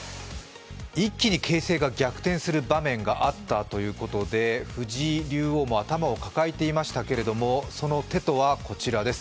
一気に形勢が逆転する場面があったということで藤井竜王も頭を抱えていましたけれども、その手とはこちらです。